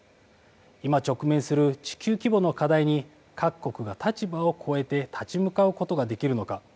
今、直面する地球規模の課題に、各国が立場を超えて立ち向かうことができるのか。